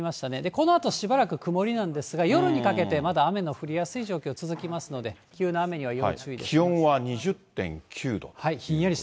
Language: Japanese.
このあとしばらく曇りなんですが、夜にかけてまだ雨の降りやすい状況続きますので、急な雨には要注気温は２０．９度。